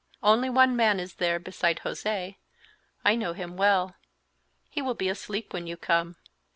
Only one man is there beside José; I know him well; he will be asleep when you come."